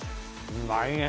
うまいね。